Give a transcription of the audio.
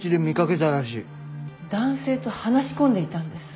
男性と話し込んでいたんです。